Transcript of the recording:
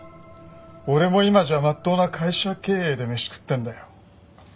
俺も今じゃ真っ当な会社経営でメシ食ってんだよ。